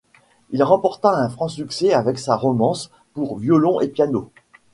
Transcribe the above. Il remporta un franc succès avec sa Romance pour violon et piano.